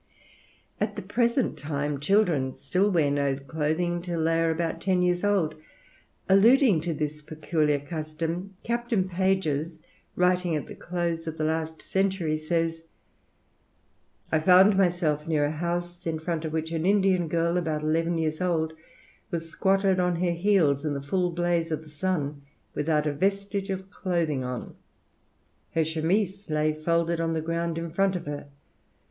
At the present time children still wear no clothing till they are about ten years old. Alluding to this peculiar custom, Captain Pages, writing at the close of last century, says, "I found myself near a house, in front of which an Indian girl, about eleven years old, was squatted on her heels in the full blaze of the sun, without a vestige of clothing on. Her chemise lay folded on the ground in front of her.